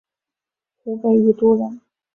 湖北宜都人。